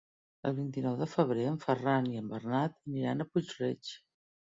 El vint-i-nou de febrer en Ferran i en Bernat aniran a Puig-reig.